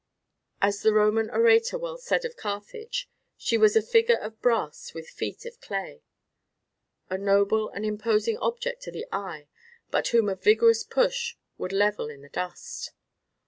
As the Roman orator well said of Carthage: "She was a figure of brass with feet of clay" a noble and imposing object to the eye, but whom a vigourous push would level in the dust.